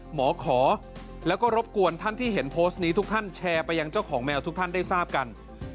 หมอขอแล้วก็รบกวนท่านที่เห็นโพสต์นี้ทุกท่านแชร์ไปยังเจ้าของแมวทุกท่านได้ทราบกัน